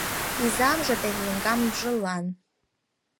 Изамже ден еҥгамжылан